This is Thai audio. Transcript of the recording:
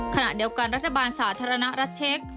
ขณะเดียวกันรัฐบาลสาธารณรัฐเช็ค